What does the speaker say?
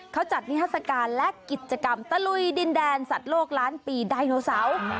เขาจัดนิทัศกาลและกิจกรรมตะลุยดินแดนสัตว์โลกล้านปีไดโนเสาร์